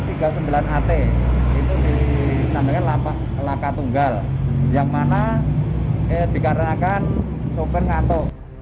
itu dinamakan lapak laka tunggal yang mana dikarenakan sopir ngantuk